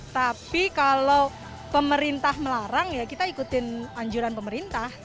tapi kalau pemerintah melarang ya kita ikutin anjuran pemerintah